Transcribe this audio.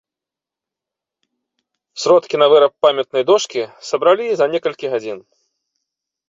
Сродкі на выраб памятнай дошкі сабралі за некалькі гадзін.